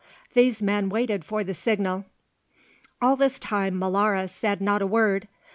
These men waited for the signal. All this time Molara said not a word.